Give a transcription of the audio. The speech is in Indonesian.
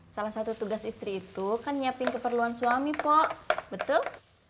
salah satu tugas istri itu kan nyiapin keperluan suami pak betul